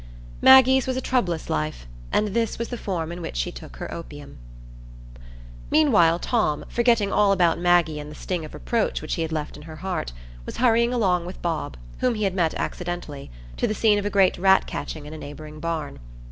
Maggie's was a troublous life, and this was the form in which she took her opium. Meanwhile Tom, forgetting all about Maggie and the sting of reproach which he had left in her heart, was hurrying along with Bob, whom he had met accidentally, to the scene of a great rat catching in a neighbouring barn.